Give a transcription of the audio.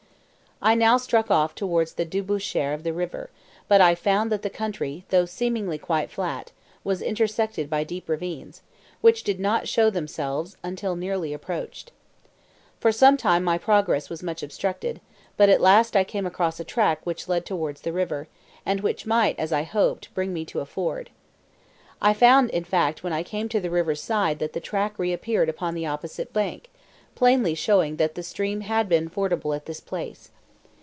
I now struck off towards the débouchure of the river; but I found that the country, though seemingly quite flat, was intersected by deep ravines, which did not show themselves until nearly approached. For some time my progress was much obstructed; but at last I came across a track which led towards the river, and which might, as I hoped, bring me to a ford. I found, in fact, when I came to the river's side that the track reappeared upon the opposite bank, plainly showing that the stream had been fordable at this place.